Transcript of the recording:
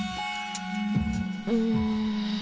うん。